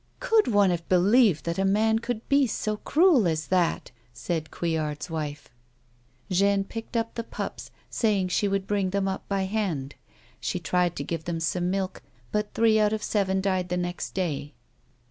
" Could one have believed that a man would be so cruel as that !" said Couillard's wife. Jeanne picked up the pups, saying she would bring them up by hand ; she tried to give them some milk, but three out of the seven died the next day.